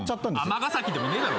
尼崎でもねえだろ。